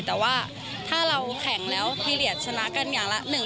แต่ว่าถ้าเราแข่งแล้วพิเหลียตชนะกันอย่างนั้น